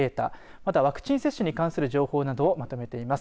また、ワクチン接種に関する情報などをまとめています。